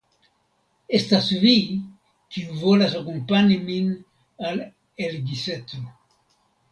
Estas vi, kiu volas akompani min al Elgisetro.